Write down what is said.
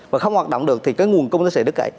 và không hoạt động được thì cái nguồn công nó sẽ đứt cậy